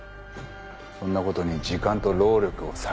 そんなことに時間と労力を割かれるな。